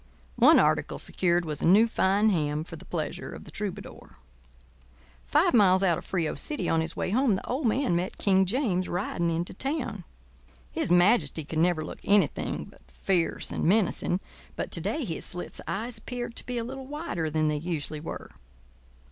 One article secured was a new, fine ham for the pleasure of the troubadour. Five miles out of Frio City on his way home the old man met King James riding into town. His majesty could never look anything but fierce and menacing, but to day his slits of eyes appeared to be a little wider than they usually were.